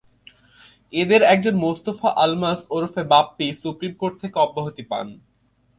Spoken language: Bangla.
এঁদের একজন মোস্তফা আলমাস ওরফে বাপ্পী সুপ্রিম কোর্ট থেকে অব্যাহতি পান।